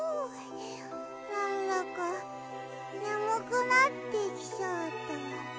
なんだかねむくなってきちゃった。